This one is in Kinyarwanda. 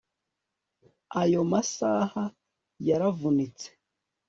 ayo masaha yaravunitse